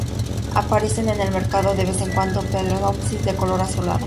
Aparecen en el mercado de vez en cuando "Phalaenopsis" de color azulado.